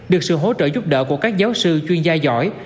được sự hỗ trợ giúp đỡ của các giáo sư chuyên gia giỏi